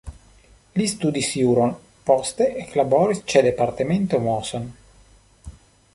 Li studis juron, poste eklaboris ĉe departemento Moson.